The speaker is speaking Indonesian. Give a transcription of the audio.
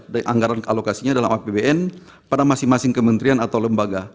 dan anggaran alokasinya dalam apbn pada masing masing kementerian atau lembaga